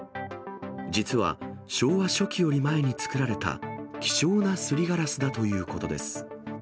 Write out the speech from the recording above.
実は、昭和初期より前に作られた希少なすりガラスだということです。